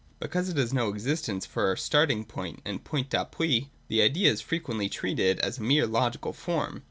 Because it has no existence for starting point and point d'appui, the Idea is frequently treated as a mere logical form.